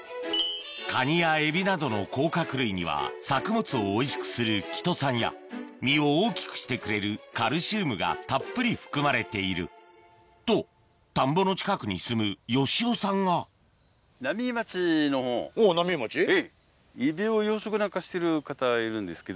カニやエビなどの甲殻類には作物をおいしくするキトサンや実を大きくしてくれるカルシウムがたっぷり含まれていると田んぼの近くに住む好雄さんがそうなんです。え！